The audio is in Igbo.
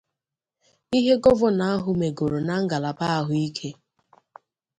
ihe Gọvanọ ahụ megoro na ngalaba ahụike